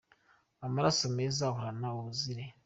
Amaraso meza ahorana ubusire